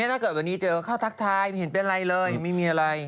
นี่ถ้าเกิดวันนี้เจอเข้าทักทายมีเขียนเป็นอะไรเลยง่าย